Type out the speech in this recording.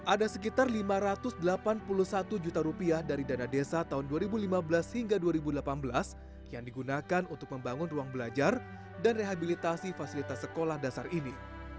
ada sekitar lima ratus delapan puluh satu juta rupiah dari dana desa tahun dua ribu lima belas hingga dua ribu delapan belas yang digunakan untuk membangun ruang belajar dan rehabilitasi fasilitas sekolah dasar ini